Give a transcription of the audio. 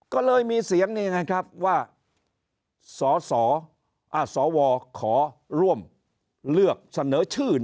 ก็เลยมีเสียงนี่ไงครับว่าสสวขอร่วมเลือกเสนอชื่อ